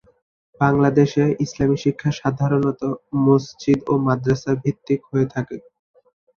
বাংলাদেশ এ ইসলামী শিক্ষা সাধারণত মসজিদ ও মাদ্রাসা ভিত্তিক হয়ে থাকে।